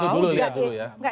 itu dulu ya